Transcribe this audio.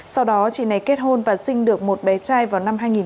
sau đó chị này kết hôn và sinh được một bé trai vào năm hai nghìn một mươi